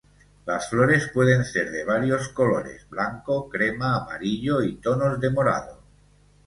Las flores pueden ser de varios colores, blanco, crema, amarillo y tonos de morado.